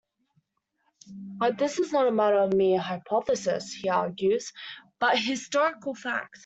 But this is not a matter of mere hypothesis, he argues, but historical fact.